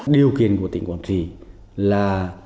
điều kiện của tỉnh quảng trị là